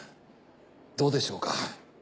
どうでしょうか。